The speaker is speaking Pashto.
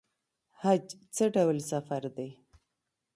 حج څه ډول سفر دی؟